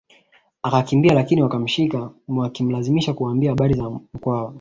Akakimbia lakini wakamshika wakamlazimisha kuwaambia habari za Mkwawa